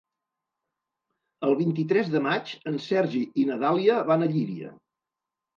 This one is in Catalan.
El vint-i-tres de maig en Sergi i na Dàlia van a Llíria.